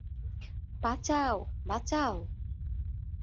বাঁচাও, বাঁচাও!